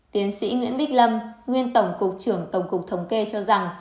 tiến sĩ nguyễn bích lâm nguyên tổng cục trưởng tổng cục thống kê cho rằng